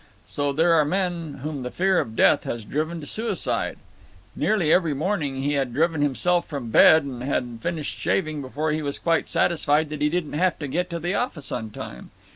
So there are men whom the fear of death has driven to suicide. Nearly every morning he had driven himself from bed and had finished shaving before he was quite satisfied that he didn't have to get to the office on time.